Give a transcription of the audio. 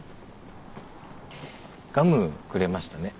ガムくれましたね。